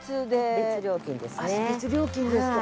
別料金ですか。